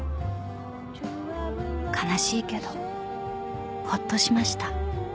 ［悲しいけどほっとしました］